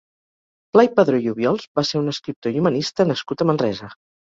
Blai Padró i Obiols va ser un escriptor i humanista nascut a Manresa.